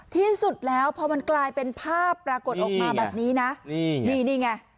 ที่สุดแล้วพอมันกลายเป็นภาพปรากฏออกมาแบบนี้นะนี่นี่ไง